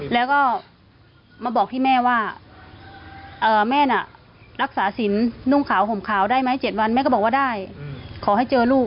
แล้วก็มาบอกที่แม่ว่าแม่น่ะรักษาสินนุ่งขาวห่มขาวได้ไหม๗วันแม่ก็บอกว่าได้ขอให้เจอลูก